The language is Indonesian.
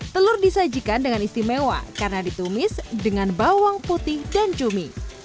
telur disajikan dengan istimewa karena ditumis dengan bawang putih dan cumi